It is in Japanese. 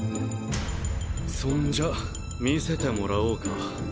そんじゃ見せてもらおうか。